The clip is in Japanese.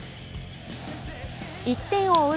１点を追う